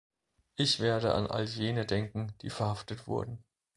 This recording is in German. Ich werde an all jene denken, die verhaftet wurden.